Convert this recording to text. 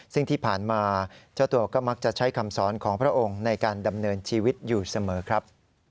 ซึ่งที่ผ่านมาเจ้าตัวก็มักจะใช้คำสอนของพระองค์ในการดำเนินชีวิตอยู่เสมอครับ